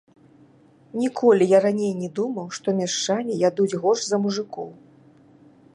Ніколі я раней не думаў, што мяшчане ядуць горш за мужыкоў.